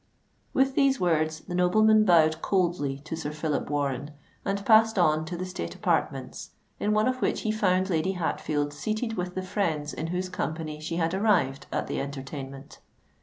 With these words the nobleman bowed coldly to Sir Phillip Warren, and passed on to the state apartments, in one of which he found Lady Hatfield seated with the friends in whose company she had arrived at the entertainment.